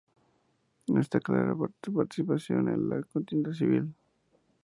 No está clara su participación en la contienda civil.